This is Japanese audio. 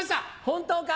本当か？